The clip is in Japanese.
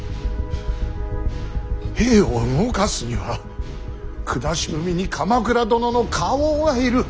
兵を動かすには下文に鎌倉殿の花押がいる。